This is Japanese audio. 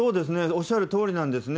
おっしゃるとおりなんですね。